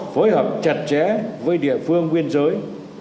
phối hợp chặt chẽ với địa phương nguyên giới